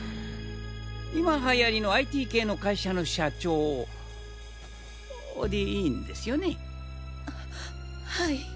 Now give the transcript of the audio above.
今はやりのＩＴ系の会社の社長でいいんですよね？ははい。